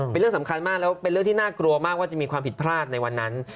เป็นเรื่องสำคัญมากแล้วเป็นเรื่องที่น่ากลัวมากว่าจะมีความผิดพลาดในวันนั้น